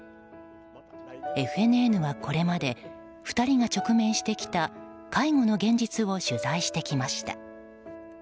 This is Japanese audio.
ＦＮＮはこれまで２人が直面してきた介護の現実を取材してきました。